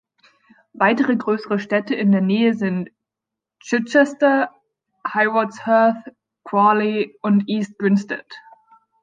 Weitere größere Städte in der Nähe sind Chichester, Haywards Heath, Crawley und East Grinstead.